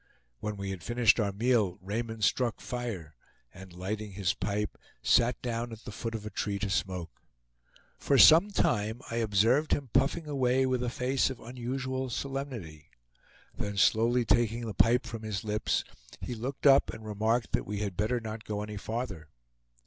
When we had finished our meal Raymond struck fire, and lighting his pipe, sat down at the foot of a tree to smoke. For some time I observed him puffing away with a face of unusual solemnity. Then slowly taking the pipe from his lips, he looked up and remarked that we had better not go any farther.